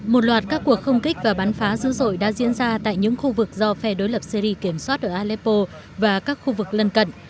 một loạt các cuộc không kích và bắn phá dữ dội đã diễn ra tại những khu vực do phe đối lập syri kiểm soát ở aleppo và các khu vực lân cận